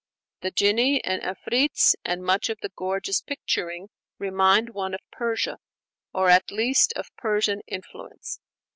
The genii and Afrits and much of the gorgeous picturing remind one of Persia, or at least of Persian influence.